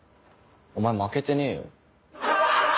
お前負けてねえよ。